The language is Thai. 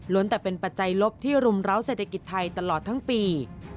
แต่เป็นปัจจัยลบที่รุมร้าวเศรษฐกิจไทยตลอดทั้งปี